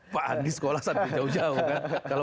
pak andi sekolah sampai jauh jauh kan